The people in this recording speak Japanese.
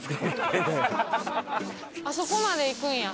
あそこまで行くんや。